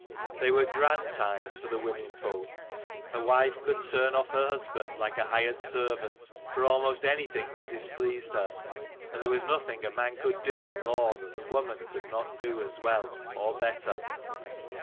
They were grand times for the women folk. A wife could turn off her husband like a hired servant, for almost anything that displeased her. And there was nothing a man could do in law that the woman could not do as well, or better.